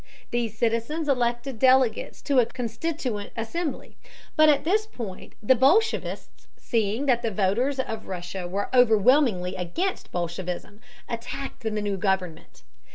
These citizens elected delegates to a constituent assembly, but at this point the bolshevists, seeing that the voters of Russia were overwhelmingly against bolshevism, attacked the new government.